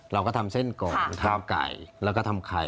เราก็ทำเส้นก่อนทำไก่แล้วก็ทำไข่